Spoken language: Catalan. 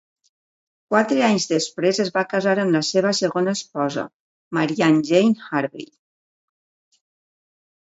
Quatre anys després es va casar amb la seva segona esposa, Marianne Jane Harvey.